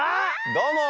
どうも。